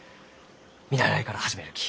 見習いから始めるき。